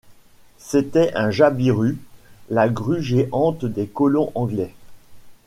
C’était un « jabiru, » la grue géante des colons anglais.